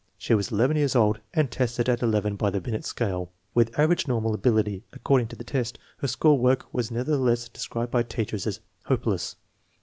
She was eleven years old, and tested at eleven by the Binet scale. With average normal abil ity, according to the test, her school work was never theless described by teachers as " hopeless."